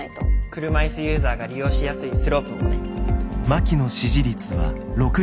車いすユーザーが利用しやすいスロープもね。